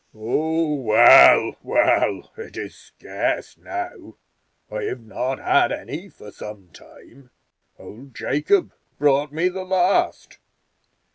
"Oh, well, well, it is scarce now. I have not had any for some time. Old Jacob brought me the last.